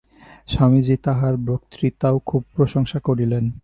স্বামীজী তাঁহার বক্তৃতারও খুব প্রশংসা করিলেন।